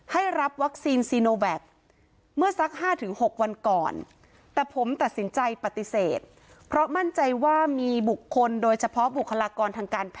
ให้รับวัคซีนโซโนแบคเมื่อสักห้าถึงหกวันก่อน